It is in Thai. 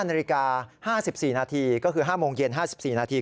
นาฬิกา๕๔นาทีก็คือ๕โมงเย็น๕๔นาที